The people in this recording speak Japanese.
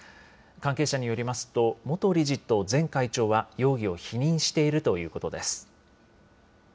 関係者によりますと、元理事と前会長は容疑を否認しているということです。